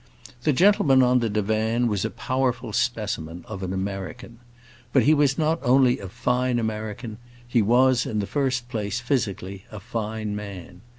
The gentleman on the divan was a powerful specimen of an American. But he was not only a fine American; he was in the first place, physically, a fine man.